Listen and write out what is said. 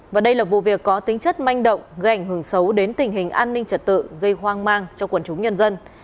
và đây là vụ việc có tính chất manh động gây ảnh hưởng xấu đến tình hình an ninh trật tự gây hoang mang cho quần chúng nhân dân